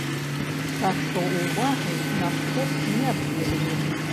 Так што увагай наш кот не абдзелены.